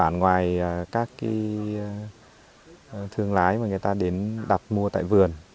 ở ngoài các thương lái mà người ta đến đặt mua tại vườn